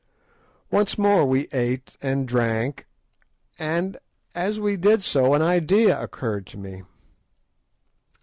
Once more we ate and drank, and as we did so an idea occurred to me.